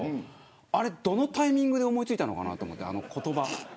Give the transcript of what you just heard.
あれ、どのタイミングで思いついたのかなと思って。